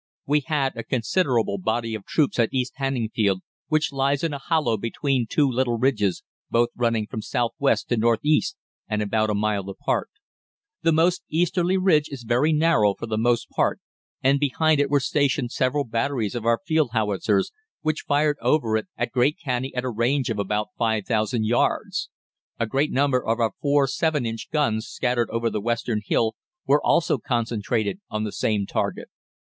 "We had a considerable body of troops at East Hanningfield, which lies in a hollow between two little ridges, both running from south west to north east, and about a mile apart. The most easterly ridge is very narrow for the most part, and behind it were stationed several batteries of our field howitzers, which fired over it at Great Canney at a range of about 5,000 yards. A number of 4·7 inch guns, scattered over the western hill, were also concentrated on the same target.